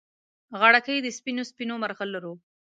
غاړګۍ د سپینو، سپینو مرغلرو